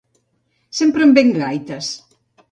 Sempre em ve amb gaites.